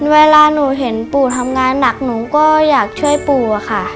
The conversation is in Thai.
เวลาหนูเห็นปู่ทำงานหนักหนูก็อยากช่วยปู่อะค่ะ